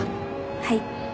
はい。